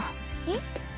えっ？